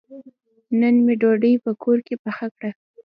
نن مې ډوډۍ په کور کې پخه کړه.